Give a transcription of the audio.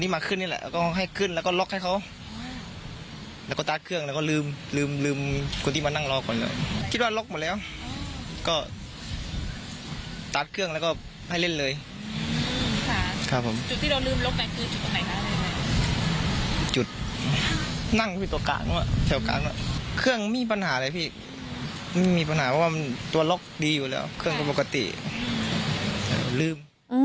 ไม่มีปัญหาเพราะว่าตัวล็อกดีอยู่แล้วเครื่องก็ปกติแต่ลืม